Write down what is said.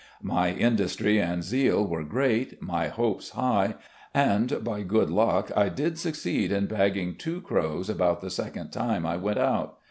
My industry and zeal were great, my hopes high, and by good luck I did succeed in bagging two crows about the second time I went out.